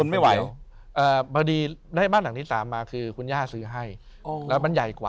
มีเขาคนเดียว